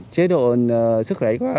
chế độ sức khỏe